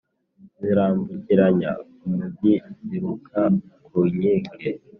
Zirambukiranya umugi ziruka ku nkike